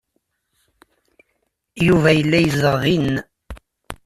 Yuba yella yezdeɣ din.